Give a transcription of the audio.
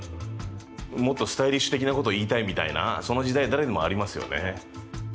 もっとスタイリッシュ的なことを言いたいみたいなその時代誰にもありますよね。